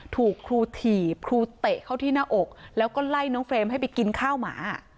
ถูกครูถีบครูเตะเข้าที่หน้าอกแล้วก็ไล่น้องเฟรมให้ไปกินข้าวหมา